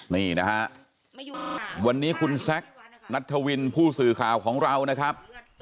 นี่นะฮะวันนี้คุณแซคนัทธวินผู้สื่อข่าวของเรานะครับ